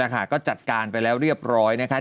ก็จัดการไปแล้วเรียบร้อยนะคะ